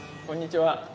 こんにちは。